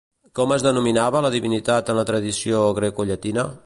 Com es denominava la divinitat en la tradició grecollatina?